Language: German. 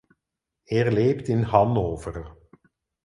Er lebt in Hannover.